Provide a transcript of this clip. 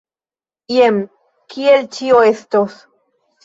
Jen kiel ĉio estos.